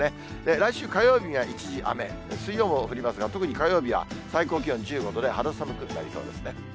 来週火曜日が一時雨、水曜も降りますが、特に火曜日は最高気温１５度で、肌寒くなりそうですね。